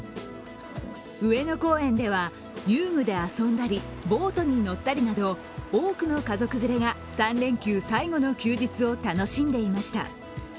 上野公園では、遊具で遊んだりボートに乗ったりなど多くの家族連れが３連休最後の休日を楽しんでいました。